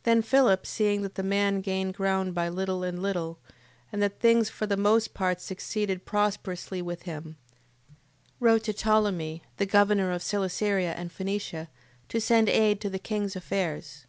8:8. Then Philip seeing that the man gained ground by little and little, and that things for the most part succeeded prosperously with him, wrote to Ptolemee, the governor of Celesyria and Phenicia, to send aid to the king's affairs.